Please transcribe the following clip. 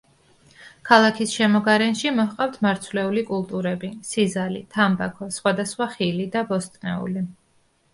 ქალაქის შემოგარენში მოჰყავთ მარცვლეული კულტურები, სიზალი, თამბაქო, სხვადასხვა ხილი და ბოსტნეული.